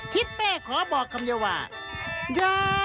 คิดแม่ขอบอกคำยวาด